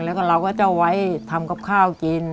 แล้วก็เราก็จะเอาไว้ทำกับข้าวกิน